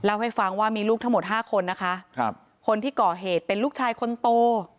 ให้ฟังว่ามีลูกทั้งหมดห้าคนนะคะครับคนที่ก่อเหตุเป็นลูกชายคนโต